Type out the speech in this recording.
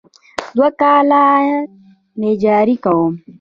دوه کاله نجاري کوم.